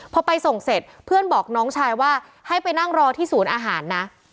พอไปส่งเสร็จเพื่อนบอกน้องชายว่าให้ไปนั่งรอที่ศูนย์อาหารนะ